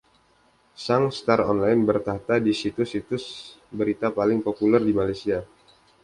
Sang Star Online bertahta di situs-situs berita paling populer di Malaysia.